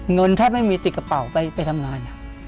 เงินแทบไม่มีติดกระเป๋าไปทำงาน